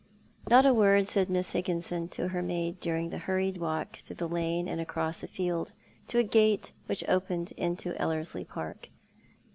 Not a word said Miss Higginson to her maid during the hurried walk through a lane and across a field, to a gate which opened into Ellerslie Park.